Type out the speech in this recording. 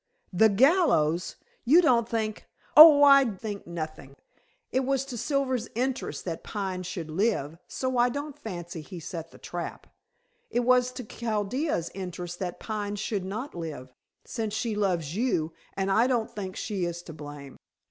"The gallows. You don't think " "Oh, I think nothing. It was to Silver's interest that Pine should live, so I don't fancy he set the trap. It was to Chaldea's interest that Pine should not live, since she loves you, and I don't think she is to blame.